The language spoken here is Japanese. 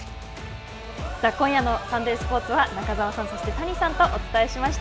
今夜のサンデースポーツは、中澤さん、そして谷さんとお伝えしました。